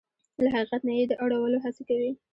له حقیقت نه يې د اړولو هڅې کوي.